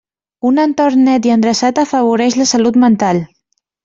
Un entorn net i endreçat afavoreix la salut mental.